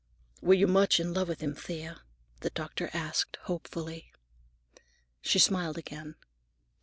"Were you much in love with him, Thea?" the doctor asked hopefully. She smiled again.